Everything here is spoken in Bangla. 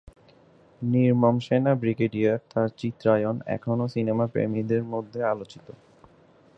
নির্মম সেনা ব্রিগেডিয়ার তার চিত্রায়ণ এখনও সিনেমা প্রেমীদের মধ্যে আলোচিত।